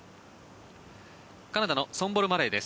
カナダのソンボル・マレーです。